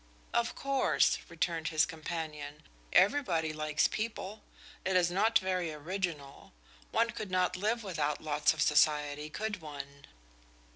"Of course," returned his companion, "everybody likes people. It is not very original. One could not live without lots of society, could one?"